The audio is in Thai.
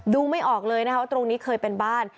ไม่ออกเลยนะคะว่าตรงนี้เคยเป็นบ้าน